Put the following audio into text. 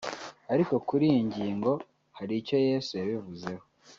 Ariko kuri iyi ngingo hari icyo Yesu yabivuzeho